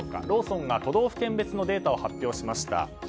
ローソンが都道府県別のデータを発表しました。